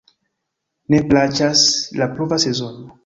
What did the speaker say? Ne plaĉas la pluva sezono.